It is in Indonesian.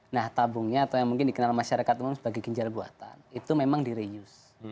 nah tabungnya atau yang mungkin dikenal masyarakat umum sebagai ginjal buatan itu memang direuse